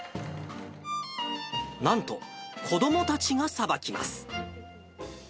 なんと子どもたちがさばきます。